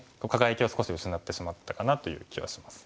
輝きを少し失ってしまったかなという気はします。